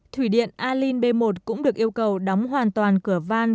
thủy điện a linh b một cũng được yêu cầu đóng hoàn toàn cửa van